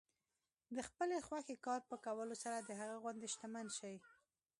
د خپلې خوښې کار په کولو سره د هغه غوندې شتمن شئ.